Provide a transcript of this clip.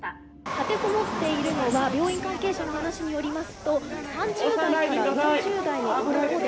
立てこもっているのは病院関係者の話によりますと３０代から４０代の男で。